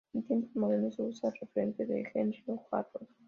En tiempos modernos se usa referente de Henry o Harold